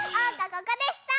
ここでした！